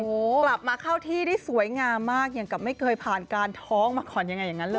กลับมาเข้าที่ได้สวยงามมากอย่างกับไม่เคยผ่านการท้องมาก่อนยังไงอย่างนั้นเลย